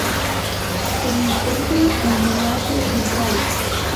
Se encuentra en el Asia Central.